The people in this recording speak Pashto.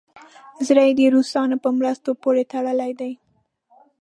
زړه یې د روسانو په مرستو پورې تړلی دی.